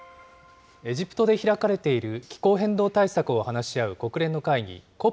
エジプトで開かれている気候変動対策を話し合う国連の会議